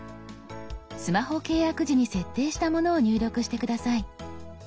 スマホ契約時に設定したものを入力して下さい。